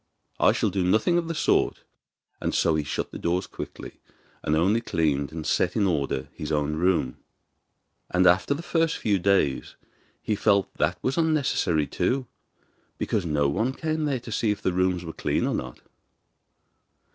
I shall do nothing of the sort.' And so he shut the doors quickly, and only cleaned and set in order his own room. And after the first few days he felt that that was unnecessary too, because no one came there to see if the rooms where clean or not.